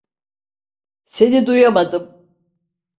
Seni duyamadım.